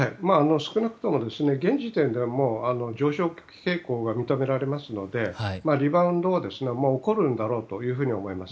少なくとも現時点で上昇傾向が認められますのでリバウンドは起こるんだろうと思います。